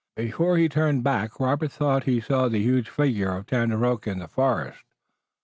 But before he turned back Robert thought he saw the huge figure of Tandakora in the forest.